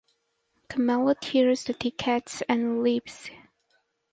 Kamala tears the tickets and leaves.